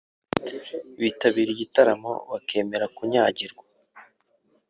bitabira igitaramo bakemera kunyagirwa